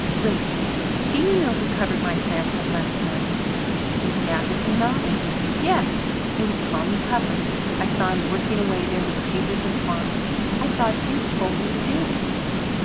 "Rachel, do you know who covered my plants up last night?" Miss Matheson nodded. "Yes, it was Tommy Puffer. I saw him working away there with papers and twine. I thought you'd told him to do it."